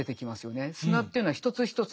砂というのは一つ一つ